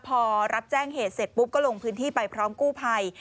พอรับแจ้งเหตุเสร็จปุ๊บก็ลงพื้นที่ไปพร้อมกู้ภัย